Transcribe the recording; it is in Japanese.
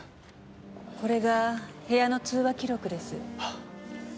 これが部屋の通話記録です。